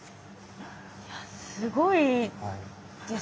いやすごいですね。